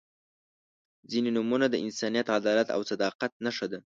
• ځینې نومونه د انسانیت، عدالت او صداقت نښه ده.